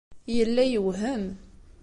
Yella yewhem.